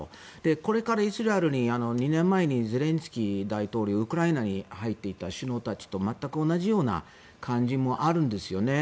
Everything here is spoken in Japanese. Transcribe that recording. これからイスラエルに２年前にゼレンスキー大統領ウクライナに入っていた首脳たちと全く同じような感じもあるんですよね。